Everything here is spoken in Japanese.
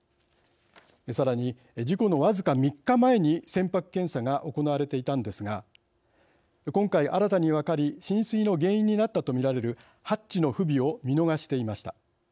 さらに事故の僅か３日前に船舶検査が行われていたんですが今回、新たに分かり浸水の原因になったと見られるハッチの不備を見逃していました。